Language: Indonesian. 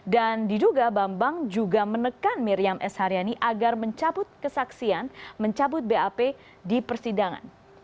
dan diduga bambang juga menekan miriam s haryani agar mencabut kesaksian mencabut bap di persidangan